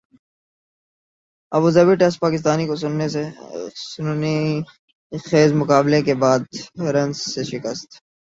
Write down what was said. ابو Dhabi test Pakistan کو سنسنی خیزمقابلے کے بعد رنز سے شکست